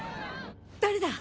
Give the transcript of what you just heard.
誰だ！